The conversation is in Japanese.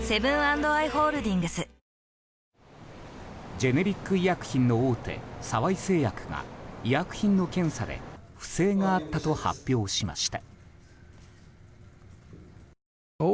ジェネリック医薬品の大手沢井製薬が医薬品の検査で不正があったと発表しました。